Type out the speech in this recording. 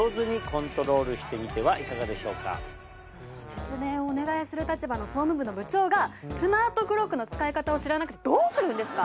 説明をお願いする立場の総務部の部長がＳＭＡＲＴＣＬＯＣＫの使い方を知らなくてどうするんですか？